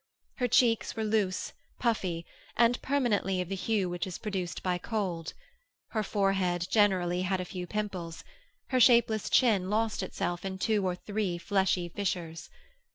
Her cheeks were loose, puffy, and permanently of the hue which is produced by cold; her forehead generally had a few pimples; her shapeless chin lost itself in two or three fleshy fissures.